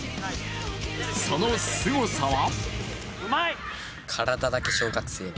そのすごさは？